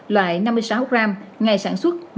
loại năm mươi sáu g ngày sản xuất